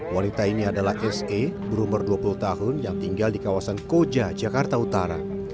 wanita ini adalah se berumur dua puluh tahun yang tinggal di kawasan koja jakarta utara